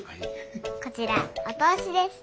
こちらお通しです。